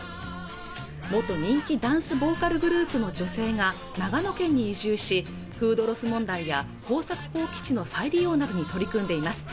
元人気ダンスボーカルグループの女性が長野県に移住しフードロス問題や耕作放棄地の再利用などに取り組んでいます